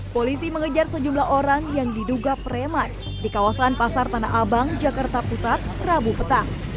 polisi mengejar sejumlah orang yang diduga preman di kawasan pasar tanah abang jakarta pusat rabu petang